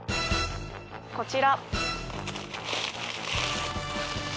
こちら。